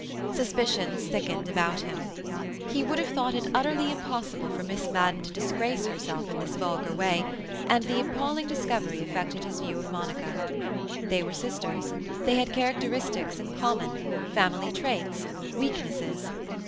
Suspicions thickened about him. He would have thought it utterly impossible for Miss Madden to disgrace herself in this vulgar way, and the appalling discovery affected his view of Monica. They were sisters; they had characteristics in common, family traits, weaknesses.